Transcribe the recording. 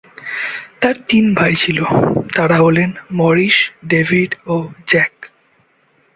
তার তিন ভাই ছিল, তারা হলেন মরিস, ডেভিড ও জ্যাক।